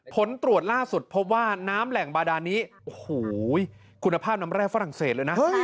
ผลตรวจล่าสุดพบว่าน้ำแหล่งบาดานนี้โอ้โหคุณภาพน้ำแร่ฝรั่งเศสเลยนะ